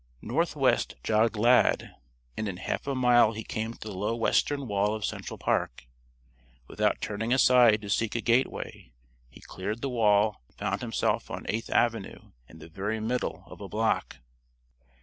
Northwestward jogged Lad, and in half a mile he came to the low western wall of Central Park. Without turning aside to seek a gateway, he cleared the wall and found himself on Eighth Avenue in the very middle of a block.